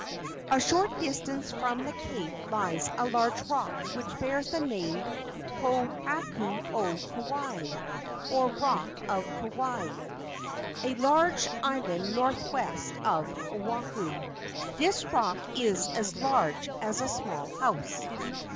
A short distance from this cape lies a large rock which bears the name Pohaku o Kauai, or rock of Kauai, a large island northwest of Oahu. This rock is as large as a small house.